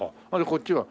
こっちは？